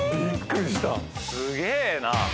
すげえな。